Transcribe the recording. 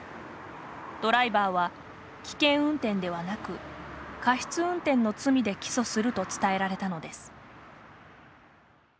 ドライバーは危険運転ではなく過失運転の罪で起訴すると伝えられたのです。